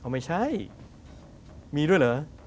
ไม่ใช่มีด้วยเหรอ